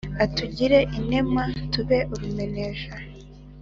atugire imena tube urumenesha